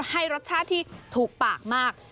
ให้รสชาติที่ถูกปากมาก